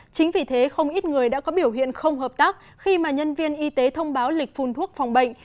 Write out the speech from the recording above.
chính vì thế không ít người đã có biểu hiện không hợp tác khi mà nhân viên y tế thông báo lịch phun thuốc phòng bệnh